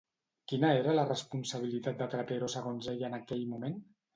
Quina era la responsabilitat de Trapero segons ell en aquell moment?